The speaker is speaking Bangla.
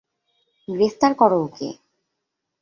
গ্রেফতার করো ওকে।